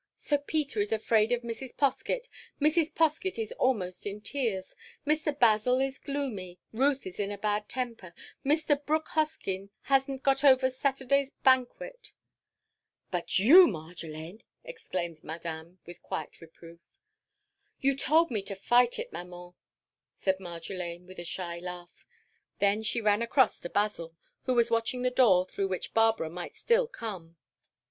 Sir Peter is afraid of Mrs. Poskett; Mrs. Poskett is almost in tears; Mr. Basil is gloomy; Ruth is in a bad temper; and Mr. Brooke Hoskyn has n't got over Saturday's banquet." "But you, Marjolaine—!" exclaimed Madame with quiet reproof. "You told me to fight it, Maman," said Marjolaine, with a shy laugh. Then she ran across to Basil, who was watching the door through which Barbara might still come.